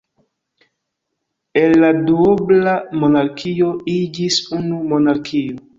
El la duobla monarkio iĝis unu monarkio.